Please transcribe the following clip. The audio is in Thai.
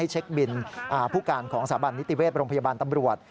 เช็คบินผู้การของสถาบันนิติเวชโรงพยาบาลตำรวจ